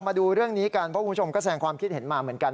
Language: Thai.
มาดูเรื่องนี้กันเพราะคุณผู้ชมก็แสงความคิดเห็นมาเหมือนกัน